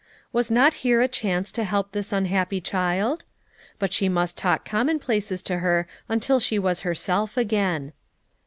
Was not here a chance to help this unhappy child? But she must talk commonplaces to her until she was herself again.